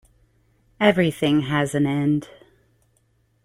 Everything has an end.